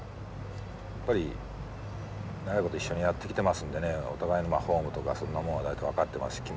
やっぱり長いこと一緒にやってきてますんでねお互いのフォームとかそんなもう大体分かってます